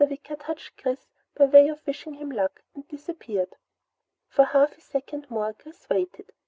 Wicker touched Chris by way of wishing him luck, and disappeared. For half a second more Chris waited.